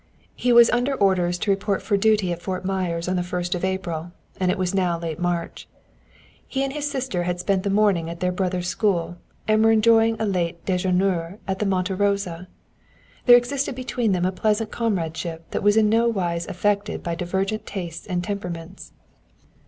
He was under orders to report for duty at Fort Myer on the first of April, and it was now late March. He and his sister had spent the morning at their brother's school and were enjoying a late déjeûner at the Monte Rosa. There existed between them a pleasant comradeship that was in no wise affected by divergent tastes and temperaments.